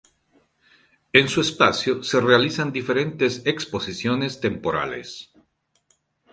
En su espacio se realizan diferentes exposiciones temporales.